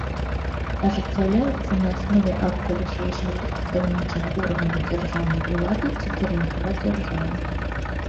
Ажыццяўляецца на аснове акта вышэйшага прадстаўнічага органа дзяржаўнай улады ці кіраўніка дзяржавы.